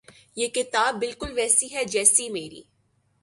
یہ کتاب بالکل ویسی ہے جیسی میری